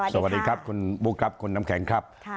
สวัสดีครับคุณบุ๊คครับคุณน้ำแข็งครับ